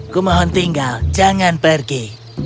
kumohon tinggal jangan pergi